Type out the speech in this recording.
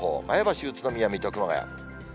前橋、宇都宮、水戸、熊谷。